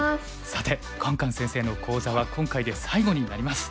さてカンカン先生の講座は今回で最後になります。